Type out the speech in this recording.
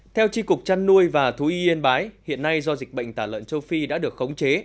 theo tri cục trăn nuôi và thú y yên bái hiện nay do dịch bệnh tả lợn châu phi đã được khống chế